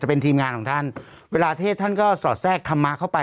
เป็นทีมงานของท่านเวลาเทศท่านก็สอดแทรกธรรมะเข้าไป